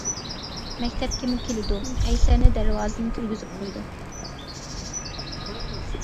مەكتەپكىمۇ كېلىدۇ، قەيسەرنى دەرۋازىدىن كىرگۈزۈپ قويىدۇ.